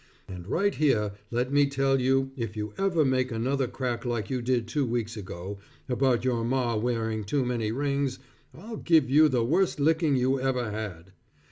And right here, let me tell you if you ever make another crack like you did two weeks ago, about your Ma wearing too many rings, I'll give you the worst licking you ever had.